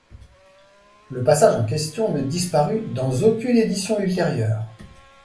Le passage en question ne disparut dans aucune édition ultérieure.